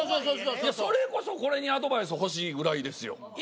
それこそそれにアドバイスほしいぐらいですよ。